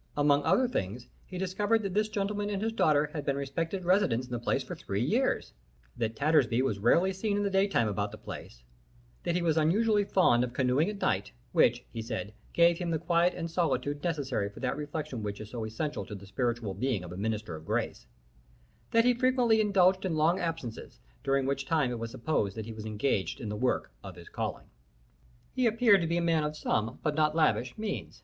Among other things, he discovered that this gentleman and his daughter had been respected residents of the place for three years; that Tattersby was rarely seen in the daytime about the place; that he was unusually fond of canoeing at night, which, he said, gave him the quiet and solitude necessary for that reflection which is so essential to the spiritual being of a minister of grace; that he frequently indulged in long absences, during which time it was supposed that he was engaged in the work of his calling. He appeared to be a man of some, but not lavish, means.